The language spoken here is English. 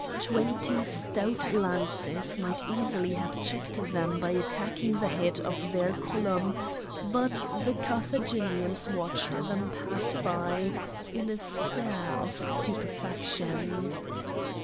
Twenty stout lances might easily have checked them by attacking the head of their column, but the Carthaginians watched them pass by in a state of stupefaction.